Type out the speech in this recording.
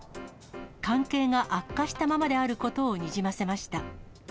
関係が悪化したままであることをにじませました。